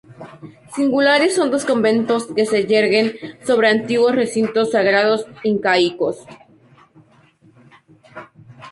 Singulares son dos conventos que se yerguen sobre antiguos recintos sagrados incaicos.